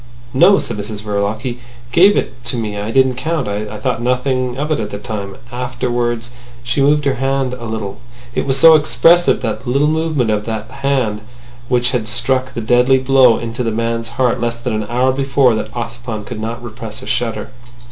"No," said Mrs Verloc. "He gave it to me. I didn't count. I thought nothing of it at the time. Afterwards—" She moved her right hand a little. It was so expressive that little movement of that right hand which had struck the deadly blow into a man's heart less than an hour before that Ossipon could not repress a shudder.